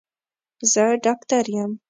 زه ډاکټر یم